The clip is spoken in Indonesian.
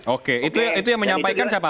oke itu yang menyampaikan siapa